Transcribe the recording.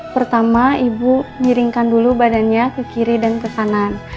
pertama ibu giringkan dulu badannya ke kiri dan ke kanan